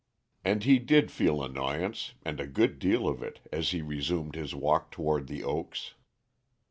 And he did feel annoyance, and a good deal of it, as he resumed his walk toward The Oaks.